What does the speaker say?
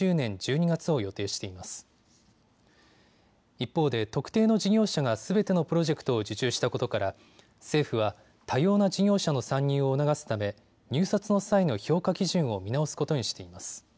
一方で特定の事業者がすべてのプロジェクトを受注したことから政府は多様な事業者の参入を促すため入札の際の評価基準を見直すことにしています。